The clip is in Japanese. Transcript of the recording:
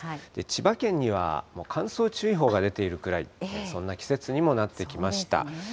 千葉県には乾燥注意報が出ているくらい、そんな季節にもなってきました。